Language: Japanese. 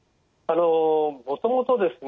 もともとですね